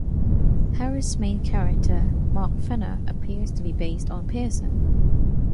Harris' main character, Mark Fenner, appears to be based on Pearson.